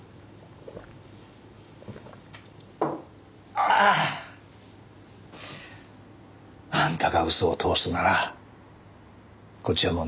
ああ！あんたが嘘を通すならこっちはもうなすすべなしだ。